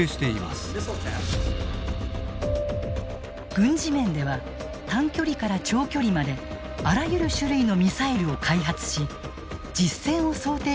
軍事面では短距離から長距離まであらゆる種類のミサイルを開発し実戦を想定した段階に突入していた。